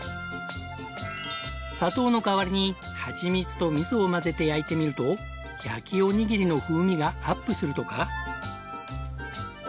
砂糖の代わりにはちみつとみそを混ぜて焼いてみると焼きおにぎりの風味がアップするとか。